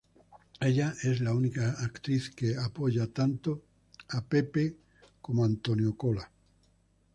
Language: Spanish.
Ella es la única actriz que apoye tanto Pepsi y Coca-Cola.